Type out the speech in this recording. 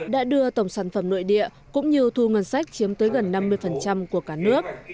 đã đưa tổng sản phẩm nội địa cũng như thu ngân sách chiếm tới gần năm mươi của cả nước